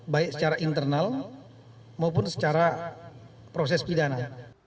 baik secara internal maupun secara proses pidana